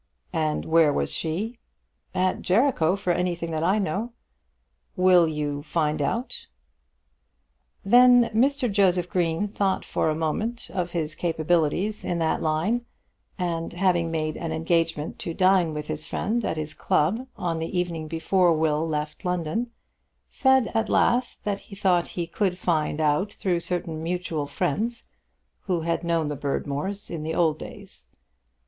"And where was she?" "At Jericho, for anything that I know." "Will you find out?" Then Mr. Joseph Green thought for a moment of his capabilities in that line, and having made an engagement to dine with his friend at his club on the evening before Will left London, said at last that he thought he could find out through certain mutual friends who had known the Berdmores in the old days.